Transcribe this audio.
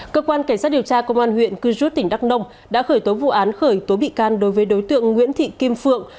cơ quan cảnh sát điều tra công an huyện cư rút tỉnh đắk nông đã khởi tố vụ án khởi tố bị can đối với đối tượng nguyễn thị kim phượng